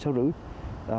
để họ xem